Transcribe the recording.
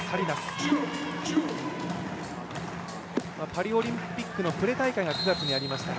パリオリンピックのプレ大会が９月に行われまして